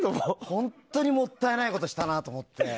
本当にもったいないことをしたなと思って。